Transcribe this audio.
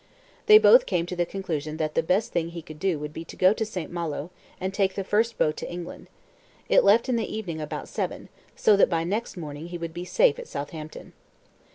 They both came to the conclusion that the best thing he could do would be to go to St. Malo, and take the first boat to England. It left in the evening about seven, so that by next morning he would be safe at Southampton.